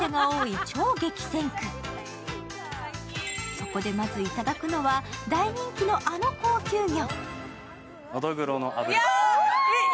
そこでまずいただくのは大人気のあの高級魚。